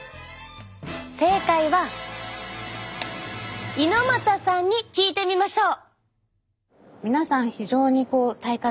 正解は猪又さんに聞いてみましょう。